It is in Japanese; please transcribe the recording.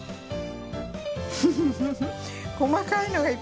フフフフ。